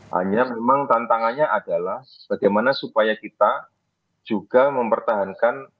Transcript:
hanya memang tantangannya adalah bagaimana supaya kita juga mempertahankan